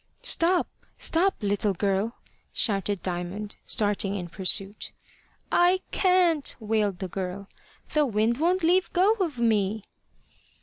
"Stop! stop! little girl," shouted Diamond, starting in pursuit. "I can't," wailed the girl, "the wind won't leave go of me."